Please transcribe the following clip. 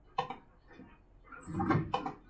没有我的允许你敢随便跟别人走？！